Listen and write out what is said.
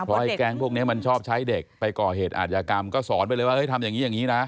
เพราะไอ้แก๊งพวกนี้มันชอบใช้เด็กไปก่อเหตุอาจยากรรมก็สอนไปเลยว่าทำอย่างนี้อย่างนี้นะ